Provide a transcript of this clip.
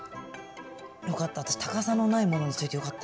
よかった私高さのないものにしといてよかった。